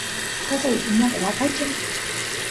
qosay imat waqaychan